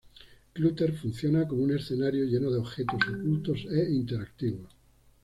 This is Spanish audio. Clutter funciona como un escenario lleno de objetos ocultos e interactivos.